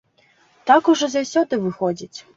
Так ужо заўсёды выходзіць.